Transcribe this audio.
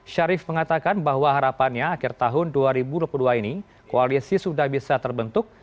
syarif mengatakan bahwa harapannya akhir tahun dua ribu dua puluh dua ini koalisi sudah bisa terbentuk